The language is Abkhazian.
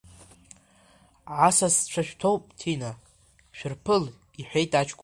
Асасцәа шәҭоуп Ҭина, шәырԥыл, — иҳәеит аҷкәын.